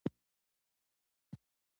نو دا ټول لګښت دکريم په غاړه شو.